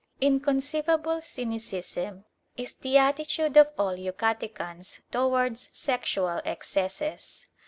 Inconceivable cynicism is the attitude of all Yucatecans towards sexual excesses.